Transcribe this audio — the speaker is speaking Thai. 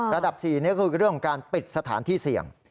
๔นี้คือเรื่องของการปิดสถานที่เสี่ยง